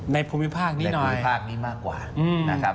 ภูมิภาคนี้ภูมิภาคนี้มากกว่านะครับ